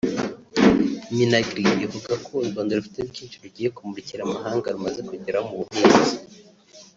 Minagri ivuga ko u Rwanda rufite byinshi rugiye kumurikira amahanga rumaze kugeraho mu buhinzi